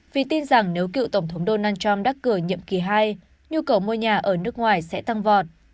vì tin rằng nếu cựu tổng thống donald trump đắc cử nhiệm kỳ hai nhu cầu mua nhà ở nước ngoài sẽ tăng vọt